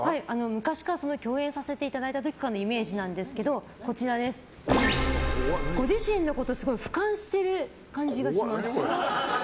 昔、共演させていただいた時からのイメージなんですけどご自身のこと俯瞰している感じがします。